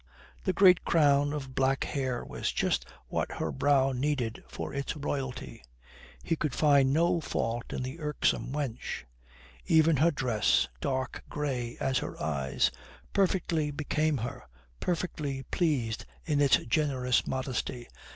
The great crown of black hair was just what her brow needed for its royalty. He could find no fault in the irksome wench. Even her dress, dark grey as her eyes, perfectly became her, perfectly pleased in its generous modesty.